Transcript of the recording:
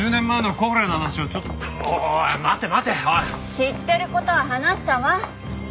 知ってる事は話したわ。